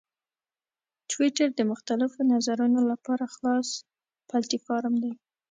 ټویټر د مختلفو نظرونو لپاره خلاص پلیټفارم دی.